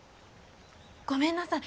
ごめんなさい。